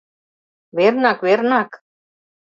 — Вернак, вернак...